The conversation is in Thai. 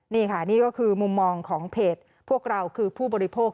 นี่ค่ะนี่ก็คือมุมมองของเพจพวกเราคือผู้บริโภค